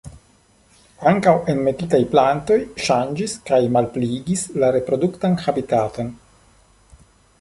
Ankaŭ enmetitaj plantoj ŝanĝis kaj malpliigis la reproduktan habitaton.